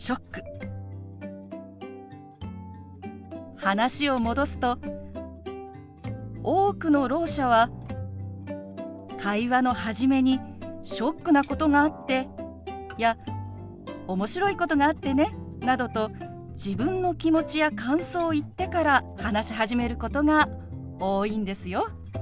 話を戻すと多くのろう者は会話の初めに「ショックなことがあって」や「面白いことがあってね」などと自分の気持ちや感想を言ってから話し始めることが多いんですよ。